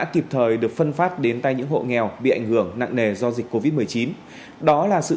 kịp thời được phân phát đến tay những hộ nghèo bị ảnh hưởng nặng nề do dịch covid một mươi chín đó là sự